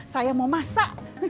saya mau masak